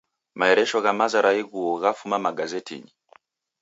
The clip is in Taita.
Maeresho gha maza ra ighuo ghafuma magazetinyi